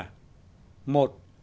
một sự trì trệ về kinh tế